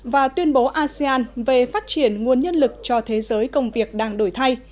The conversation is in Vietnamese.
và tuyên bố asean về phát triển nguồn nhân lực cho thế giới công việc đang đổi thay